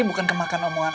ini bukan kemakan omongan